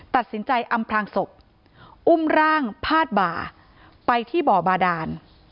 ตัดสินใจอำพลางศพอุ้มร่างพาดบ่าไปที่บ่อบาดาน